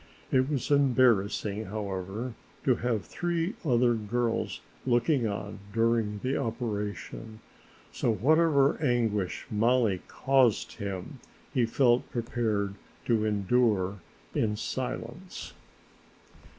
It was embarrassing, however, to have three other girls looking on during the operation, so whatever anguish Mollie caused him he felt prepared to endure in silence.